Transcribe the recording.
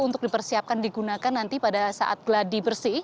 untuk dipersiapkan digunakan nanti pada saat geladi bersih